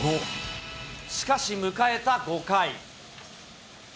しかし迎えた５回。